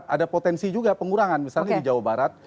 ada potensi juga pengurangan misalnya di jawa barat